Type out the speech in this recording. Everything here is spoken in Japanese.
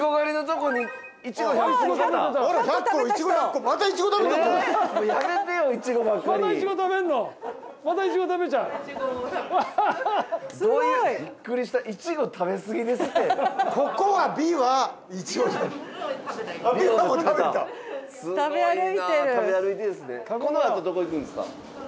このあとどこ行くんですか？